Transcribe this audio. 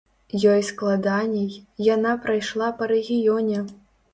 Ёй складаней, яна прайшла па рэгіёне.